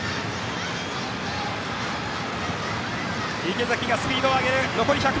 池崎がスピードを上げる。